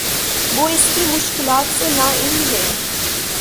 وہ اس کی مشکلات سے لاعلم ہے